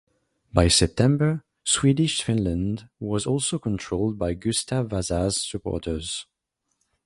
By September, Swedish Finland was also controlled by Gustav Vasa's supporters.